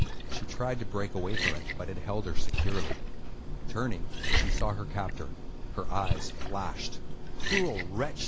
She tried to break away from it, but it held her securely. Turning, she saw her captor; her eyes flashed. "Cruel wretch!"